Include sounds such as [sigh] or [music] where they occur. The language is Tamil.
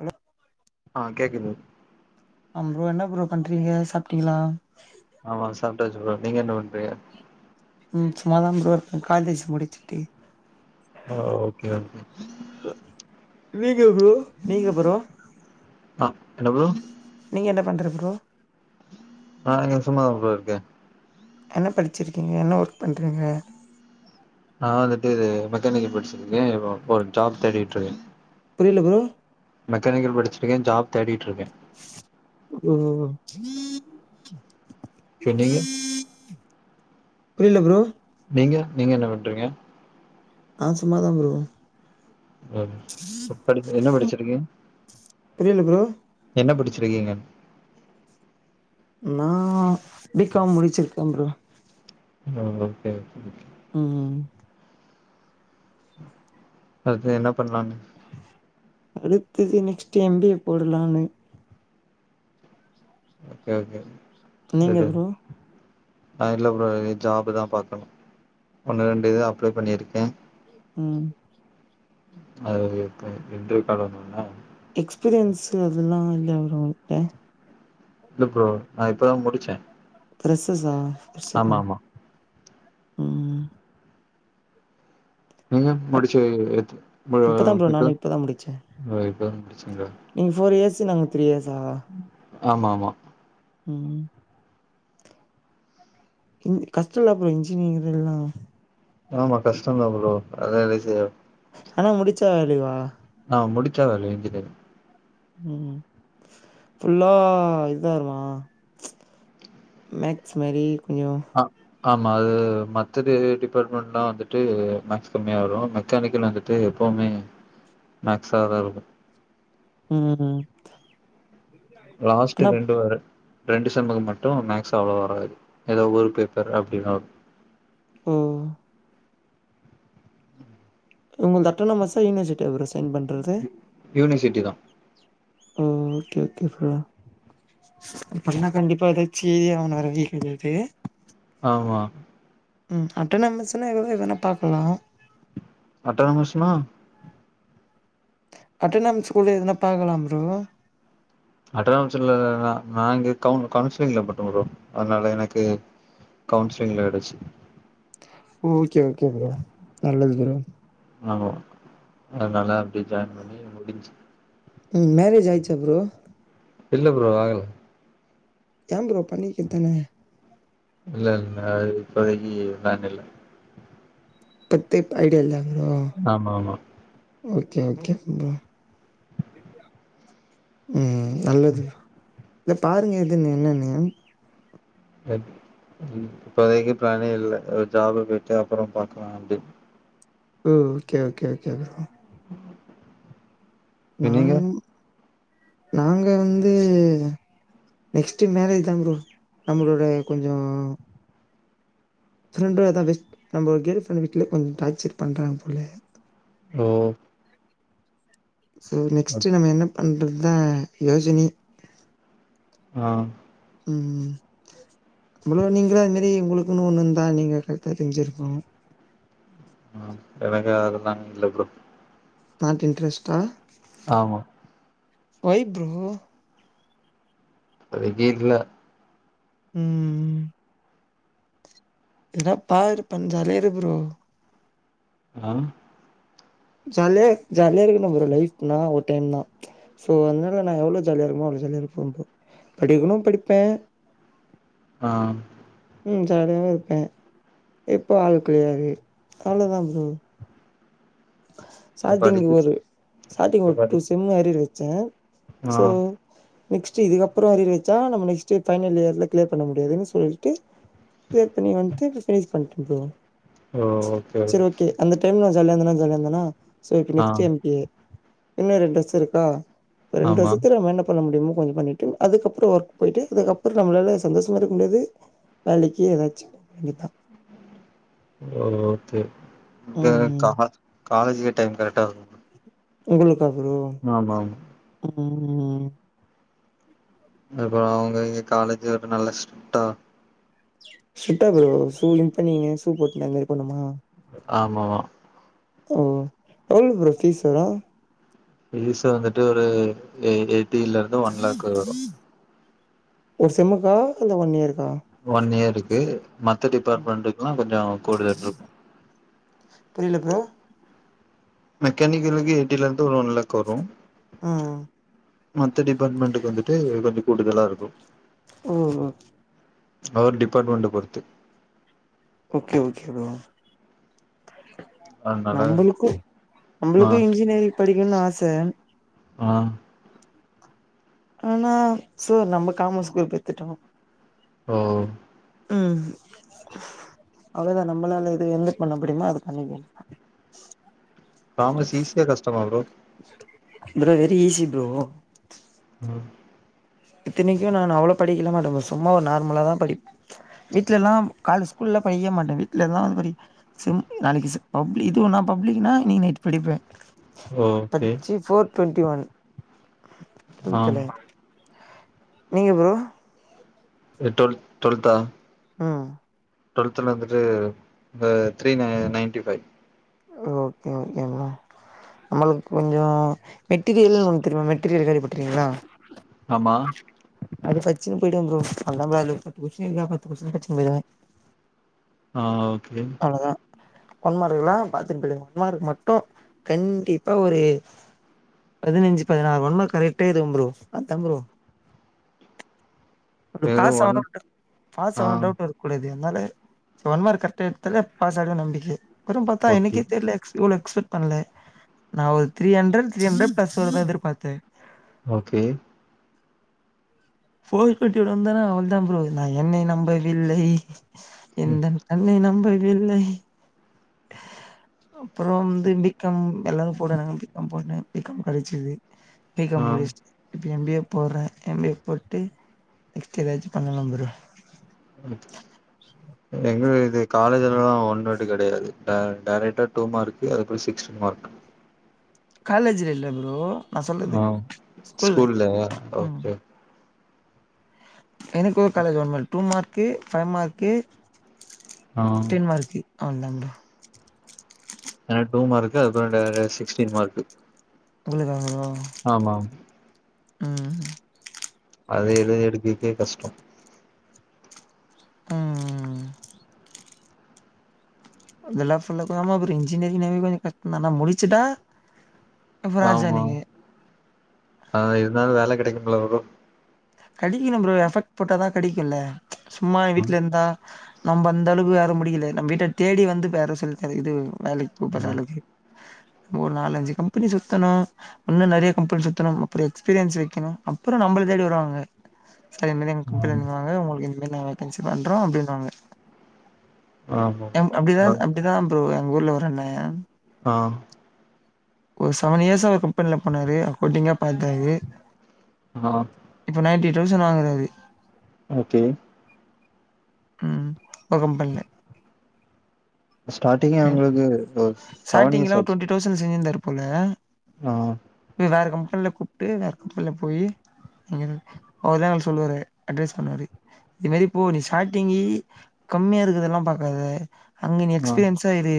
ஹலோ ஆ கேக்குது அம் ப்ரோ என்ன ப்ரோ பண்றீங்க சாப்ட்டீங்களா ஆமா சாப்டாச்சு ப்ரோ நீங்க என்ன பண்றிங்க ம் சும்மாதா ப்ரோ இருக்க காலேஜ் முடிச்சுட்டு ஓ ஓகே ஓகே நீங்க ப்ரோ நீங்க ப்ரோ ஆ என்ன ப்ரோ நீ என்ன பண்ற ப்ரோ நாங்க சும்மாதா ப்ரோ இருக்கே என்ன படிச்சிருக்கிங்க என்ன ஒர்க் பண்றீங்க நா வந்துட்டு இது மெக்கானிக்கல் படிச்சிருக்கே இப் இப்ப ஒரு ஜாப் தேடிட்ருக்கே புரிய்ல ப்ரோ மெக்கானிக்கல் படிச்சிருக்கே ஜாப் தேடிட்ருக்கே ம் பென்டிங்கு புரிய்ல ப்ரோ நீங்க நீங்க என்ன பண்றீங்க நா சும்மாதா ப்ரோ அ ப படிப்பு என்ன படிச்சிருக்கிங்க புரியல ப்ரோ என்ன படிச் சிருக்கீங்க நா பி காம் முடிச்சிருக்க ப்ரோ ஆ ஓகே ஓகே ம் அடுத்து என்ன பண்லானு அடுத்தது நெக்ஸ்ட்டு எம் பி எ போடலானு ஓகே ஓகே நீங்க ப்ரோ நா இல்ல ப்ரோ இனி ஜாப்புதா பாக்கணு ஒன்னு ரெண்டு இது அப்ளை பண்ணிருக்கே ம் அது இப்ப என்ட்ரி பண்ணனுனா எக்ஸ்பீரியன்ஸ்சு அதுலா இல்லையா ப்ரோ ஒன்ட்ட இல்ல ப்ரோ நா இப்பதா முடிச்சே த்ரஸ்சஸ்ஸா ஆமா ஆமா ம் நீயும் முடிச்சு எத்த பா இப்பதா ப்ரோ நானு இப்பதா முடிச்சே எப்ப [unintelligible] நீங்க ஃபோர் இயர்ஸு நாங்க த்ரீ இயர்ஸா ஆமா ஆமா ம் இன் கஸ்டொல்ல ப்ரோ இன்ஜினிரிங்துல்லா ஆமா கஸ்டந்தா ப்ரோ அதெல்லா ஈஸியா ஆனா முடிச்சா வால்யூவா அ முடிச்சா வேல்யூ இன்ஜினேரிங் ம் ஃபுல்லா இதுதா வருமா மேக்ஸ் மாரி கொஞ்சு ஆ ஆமா அது மற்றது டிபாட்மென்னா வந்துட்டு மேக்ஸ் கம்மியா வரு மெக்கானிக்கல் வந்துட்டு எ ப்போவ்மே மேக்ஸ்சா தா இருக்கு ம் லாஸ்டு ஆனா ரெண்டு வர ரெண்டு செம்முக்கு மட்டு மேக்ஸ் அவ்ளோவ வராது எதோ ஒரு பேப்பரு அப்டினா வரு ம் உங்கள்து அட்டனமசா யூனிவசிட்டியா ப்ரோ சைன் பண்றது யூனிவ்சிட்டி தா ஓ ஓகே ஓகே ப்ரோ அப்படின்னா கண்டிப்பா எதாச்சி அவன வர [unintelligible] ஆமா ம் அட்டனமஸுனா [unintelligible] எதுவேனா பாக்கலா அட்டானமஸ்னா அட்டனாம்ஸ் ஸ்கூலு எதன பாக்கலாம் ப்ரோ அட்டனாம்ஸுல்லதா நா நா இங்க கவுன் கவுன்சிலிங்ல போட்ட ப்ரோ அத்னால எனக்கு கவுன்ஸ்லிங்ல கெடுச்சு ஓகே ஓகே ப்ரோ நல்லது பரோ ஆமா அத்னால அப்டே ஜாய்ன் பண்ணி முடிஞ்சி ம் மேரேஜ் ஆய்ச்சா ப்ரோ இல்ல ப்ரோ ஆகல ஏ ப்ரோ பண்ணிக்குத்தான இல்ல இல்ல அது இப்பதைக்கி ப்ளான் இல்ல பத்தே இப் ஐடியா இல்ல ப்ரோ ஆமா ஆமா ஓகே ஓகே ம் ம் நல்லது இல்ல பாருங்க எதுன்னு என்னன்னு அது ம் இப்போதைக்கி ப்ளானே இல்ல அ ஜாபு போய்ட்டு அப்புறம் பாக்கலா அப்டின் ஓ ஓகே ஓகே ஓகே ப்ரோ நீங்க நாங் நாங்க வந்து நெக்ஸ்டு மேரேஜ் தா ப்ரோ நம்மளோட கொஞ்சோ ஃப்ரெண்டுலதா பெஸ்ட் நம்ப ஒரு கேல் ஃப்ரண்டு வீட்ல கொஞ் டார்ச்சர் பண்றாங் போல ஒ சோ நெக்ஸ்டு நம்ம என்ன பண்றத்தா யோசனை அ ம் ப்ரோ நீங்கூட அது மாரி உங்குளுக்குன்னு ஒண்ணு இந்தா நீங்க கரெக்டா தெஞ்சிருக்கு ம் எனக்கு அதெல்லாங் இல்ல ப்ரோ நாட் இன்ட்ரெஸ்டா ஆமா ஒய் ப்ரோ அதுக்கே இல்ல ம் எத்னா பாரு பஞ் ஜாலியா இரு ப்ரோ ஆ ஜாலியா ஜாலியா இருக்கனு ப்ரோ லைஃப்னா ஒரு டைம் தா சோ அதனால நா எவ்ளோ ஜாலியா இருக்கனுமோ அவ்ளோ ஜாலியா இருப்பே ப்ரோ படிக்கணு படிப்பே ஆ ம் ஜாலியாவு இருப்பே இப்போ ஆள் கிளியர் அவ்ளோதா ப்ரோ சாட்டிங்கு படிக்க ஒரு சாட்டிங்கு ஒரு டூ படி செம்மு அறியர் வச்சே ஆ சோ நெக்ஸ்ட் இதுக்கப்பறோ அறியர் வச்சா நம்ம நெக்ஸ்ட் ஃபைனல் இயர்ல கிளியர் பண்ண முடியாதுன்னு சொல்ட்டு கிளியர் பண்ணி வந்ட்டு இப்ப பினிஷ் பண்ணிட்டே ப்ரோ செரி ஓகே அந்த டைம்ல ஜலாந்தனா ஜலாந்தனா சோ இப்ப ஆ நெக்ஸ்ட் டைம் கே இன்னு ரெண்டு வருச இருக்கா ரெண்டு ஆமா வருசத்துல நம்ம என்ன பண்ண முடியுமோ கொஞ்சோ பண்ணீட்டு அதுக்கப்றோ ஒர்க் போய்ட்டு அதுக்கப்றோ நம்மளால சந்தோஷமா இருக்க முடியாது வேலக்கி ஏதாச்சு போ வேண்டிதா ஓ ஓகே இந்த ம் ம் கார் காலேஜுக்கே டைம் கரெக்டாகுங்க உங்களுக்கா ப்ரோ ம் ம் ம் அப்பறோ அவுங்க இங்க காலேஜ் ஒரு நல்ல ஸ்ட்ரிக்டா சுட்டா ப்ரோ சூ இன் பண்ணீங்க சூ போட்டுன அந்தமாரி போனோமா ஆமமா ஓ எவ்ளோ ப்ரோ ஃபீஸ் ஓட ஃபீஸ் வந்துட்டு ஒரு எய் எயிட்டில இருந்து ஒன் லேக் வரு ஒரு செம்க்கா இல்ல ஒன் இயரு ஒன் இயர்ருக்கு மத்த டிபார்ட்மெண்ட்க்குல்லா கொஞ்சோ கூடுதல் இருக்கு புரியல ப்ரோ மெக்கானிக்கலுக்கு எய்ட்டில இருந்து ஒரு ஒன் லேக் வரு ஆ மத்த டிபார்ட்மெண்ட்டுக்கு வந்துட்டு கொஞ்சோ கூடுதலா இருக்கு ம் ம் அவர் டிபார்ட்மெண்ட்ட பொறுத்து ஓகே ஓகே ப்ரோ அதனால நம்பளுக்கு ஆ நம்பளுக்கு இன்ஜினியரிங் படிக்கணும்னு ஆச ஆ ஆனா சோ நம்ம காமஸ் க்ரூப் எத்துட்டோ ஓ ம் அவ்ளதா நம்பளால இது எந்த பண்ண முடியுமோ அது பண்ணிக்க வேண்டிதா காமஸ் ஈஸியா கஷ்டமா bro bro very easy bro ஆ இத்தனைக்கு நானு அவ்ளோ படிக்கலா மாட்டே ப்ரோ சும்மா ஒரு நார்மலா தா படிப் வீட்லல்லா கால்ல ஸ்கூல்ல படிக்க மாட்டே வீட்லல்லா படி செம் நாளக்கி செம் பப்ளிக் இதுவு நா பப்ளிக் நா இன்னக்கி நைட் படிப்பே ஓகே படிச்சி போர் டொன்டி ஒன் ஆ டூவெல்த்ல நீங்க ப்ரோ இந்த டூவல் டுவல்த்தா ம் டு்வல்த்ல வந்துட்டு இப்ப த்ரீ நய நயன்டி ஃபைவ் ஓகே ஓகேங்க நம்மளுக்கு கொஞ்சோ மெட்டீரியல்ன்னு ஒன்னு தெரியுமா மெட் டீரியல் கேள்வி பற்றுக்கீங்களா ஆமா அது படிச்சினு போயிடுவே ப்ரோ அதுதா ப்ரோ அதுல பத்து கொஷ்டீன் இருக்கா பத்து கொஸ்டீனு படிச்சினு போயிடுவே ஆ ஓகே அவ்ளோதா ஒன்மார்க்ல்லா பாத்துட்டு போயிடுங்க ஒன்மார்க் மட்டு கண்டிப்பா ஒரு பதினஞ்சு பதினாறு ஒன் மார்க் கரெக்டா எழுதுவ ப்ரோ அதா ப்ரோ [inaudible] பாஸ் வெறும் ஒன் ஆனு பாஸ் ஆ ஆவனு டவுட் வர கூடாது அதனால ஒன் மார்க் கரெக்டா எடுத்தாலே பாஸ் ஆயிடுவன்னு நம்பிக்க அதுக் அப்புற பாத்தா ஓகே எனக்கே தெரில இவ்ளோ எக்ஸ்பெக்ட் பண்ல நா ஒரு three hundred three hundred plus வருனு எதிர்பாத்த ஓகே ஃபோர் ஃபிப்டி வருந்தன வந்த ப்ரோ நா என்னை நம்பவில்லை எந்தன் கண்ணை நம்பவில்லை அப்புறம் வந்து பிகாம் எல்லோரும் போட்டானுங்க பிகாம் போட்ட பிகாம் கடச்சிது ஆ பிகாம் முடிச்சிடு இப்ப எம் பி ஏ போடுற எம் பி ஏ போட்டு நெக்ஸ்ட் எதாச்சு பண்ணுலா ப்ரோ [unintelligible] எங்க இது காலேஜ்லல்ல எல்லா ஒன்வர்ட் கெடையாது டைரக்டா டூ மார்கு அதுக்கப்பற சிக்ஸ் மார்க் காலேஜ்ல இல்ல ப்ரோ நா சொல்றது ஆ ஸ்கூல்ல ஸ்கூல்லயா ம் ஓகே எனக்கு ஒரு காலேஜ் வண்மல் டூ மார்க்கு ஃபைவ் மார்க்கு ஆ டென்மார்க்கு அவ்ளதா ப்ரோ எனக்கு [unintelligible] சிக்ஸ்டீன் மார்க் அவ்வளதா ப்ரோ ஆமாம் ம் அது எழுதி எடுக்கறகே கஷ்டோ ம் ம் ம் அதெல்லா ஃபுல் அப் பண்ணாம அப்புற இன்ஜினியரிங் னாவே கொஞ்ச கஷ்டந்தா ஆனா முடிச்சுட்டா இப்போ ராஜா ஆமாம் நீங்க அதுல இருந்தாலு வேல கெடைக்கும்ல ப்ரோ கடிகன்னு ப்ரோ எஃபெக்ட் போட்டாதா கெடைக்கும்ல சும்மா வீட்ல ஆ இருந்தா நம்ப அந்தளவுக்கு யாரும் முடிக்கல நம்ப வீட்ட தேடி வந்து இப்ப யாரோ சொல்லி தரு இது வேலைக் ஆ கூப்பறளக்கு ஒரு நாலு அஞ்சு கம்பெனி சுத்தணு இன்னு நெறய கம்பெனி சுத்தணு அப்புற எக்ஸ்பீரியன்ஸ் வைக்கனு அப்பற நம்ப விடுதேடி வருவாங்க சார் இந்த மாதி எங்க கம்பெனிலந்து வராங்க உங்களுக்கு இந்த மாரி நாங்க வேக்கன்சி பண்றோ அப்படின்னுவாங்க ஆ ஆமா அப்டிதா ஆ அப்டிதா ப்ரோ எங்க ஊர்ல ஒரு அண்ண ஆ ஒரு செவன் இயர்ஸ் ஆ ஒரு கம்பெனில போனாரு அக்கொண்டிங்கா பாத்தாரு ஆ இப்ப நைன்டி டௌசண்ட் வாங்குறாரு ஓகே ம் ஒரு கம்பன்ல ஸ்டார்ட்டிங்கே அவங்களுக்கு ஸாட்டிங்ல ஒரு டுவெண்ட்டி டௌசண்ட் செஞ்சிருந்தாரு போல ஆ வேற கம்பன்ல்ல கூப்ட்டு வேற கம்பன்ல்ல போயி ஒரு நாள் சொல்லுவாரு அட்வைஸ் பண்ணுவாரு இது மாரி போ நீ ஸ்டாடிங்கி கம்மியா இருக்கதெல்லா பாக்காத அங்க நீ ஆ. எக்ஸ்பீரியன்ஸா இரு